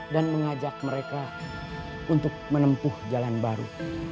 dan mengajak mereka untuk menempuh jalan baru